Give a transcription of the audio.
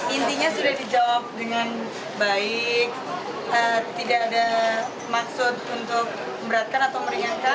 intinya sudah dijawab dengan baik tidak ada maksud untuk memberatkan atau meringankan